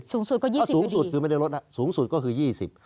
สูงสุดก็ยี่ก็สูงสุดคือไม่ได้ลดอ่ะสูงสุดก็คือยี่สิบ